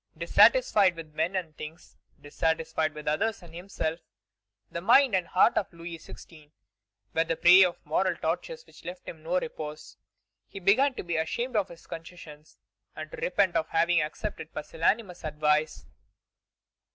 Dissatisfied with men and things, dissatisfied with others and himself, the mind and heart of Louis XVI. were the prey of moral tortures which left him no repose. He began to be ashamed of his concessions, and to repent of having accepted pusillanimous advice.